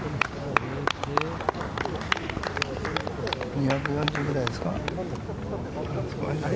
２４０くらいですか？